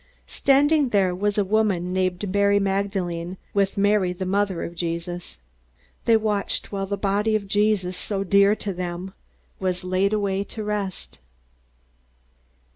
Standing there was a woman named Mary Magdalene with Mary the mother of Jesus. They watched while the body of Jesus, so dear to them, was laid away to rest.